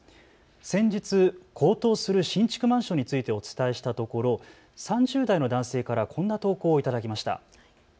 先日、高騰する新築マンションについてお伝えしたところ３０代の男性からこんな投稿を頂きました。